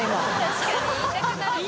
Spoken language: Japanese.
確かに言いたくなるな。